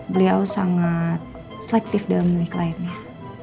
beliau sangat selektif dalam milik kliennya